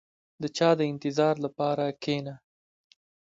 • د چا د انتظار لپاره کښېنه.